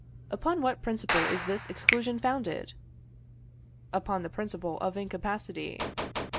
Upon what principle is this exclusion founded? Upon the principle of incapacity.